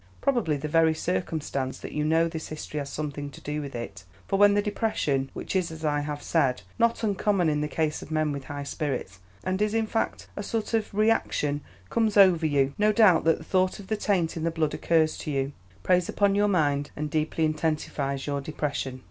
Probably the very circumstance that you know this history has something to do with it, for when the depression which is, as I have said, not uncommon in the case of men with high spirits, and is, in fact, a sort of reaction comes over you, no doubt the thought of the taint in the blood occurs to you, preys upon your mind, and deeply intensifies your depression."